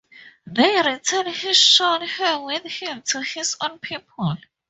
They return his shorn hair with him to his own people.